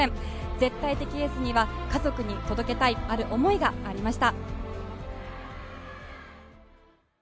絶対的エースには家族に届けたいある思いがありました。